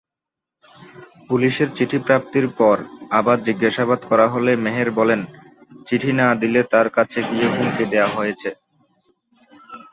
পুলিশের চিঠি প্রাপ্তির পর আবার জিজ্ঞাসাবাদ করা হলে মেহের বলেন, চিঠি না দিলে তার কাছে গিয়ে হুমকি দেওয়া হয়েছে।